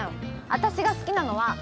私が好きなのは。